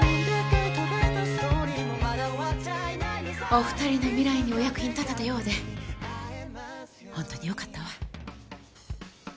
お二人の未来にお役に立てたようでホントによかったわ。